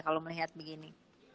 kalau melihat begini